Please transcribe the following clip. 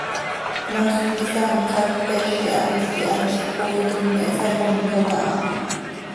Cmaax cömisaanpx hac, peez ihanl ihanl cooitom me hsaconxot aha.